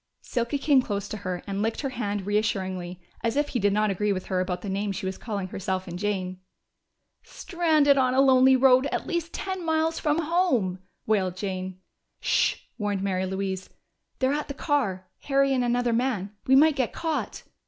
Silky came close to her and licked her hand reassuringly, as if he did not agree with her about the name she was calling herself and Jane. "Stranded on a lonely road at least ten miles from home!" wailed Jane. "Sh!" warned Mary Louise. "They're at the car Harry and another man. We might be caught!"